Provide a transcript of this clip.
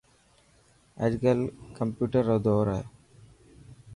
اڄ ڪل ڪمپيوٽر رو دور هي.